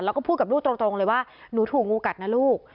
แล้วก็พูดกับลูกตรงเลยว่าหนูถูกงูกัดนะลูก